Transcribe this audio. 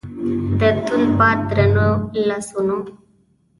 د توند باد درنو لاسونو